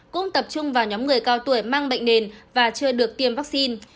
cũng tập trung vào nhóm người cao tuổi mang bệnh nền và chưa được tiêm vaccine